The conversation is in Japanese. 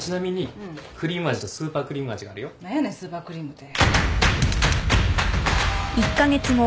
スーパークリームって。